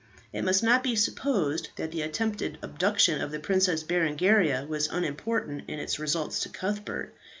It must not be supposed that the attempted abduction of the Princess Berengaria was unimportant in its results to Cuthbert.